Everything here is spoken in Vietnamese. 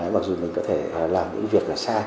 mặc dù mình có thể làm những việc là sai